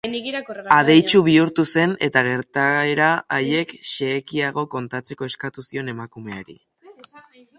Adeitsu bihurtu zen, eta gertaera haiek xehekiago kontatzeko eskatu zion emakumeari.